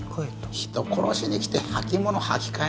人殺しに来て履物履き替え